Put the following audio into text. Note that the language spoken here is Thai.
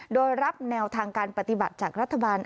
โดยรับแนวทางการปฏิบัติจากรัฐบาล